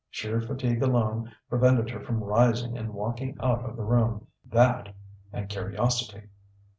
Sheer fatigue alone prevented her from rising and walking out of the room that, and curiosity.